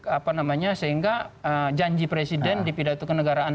apa namanya sehingga janji presiden di pidato kenegaraan